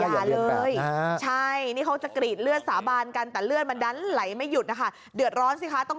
คนใส่เสื้อคุมสีฟ้าน้ำเงิน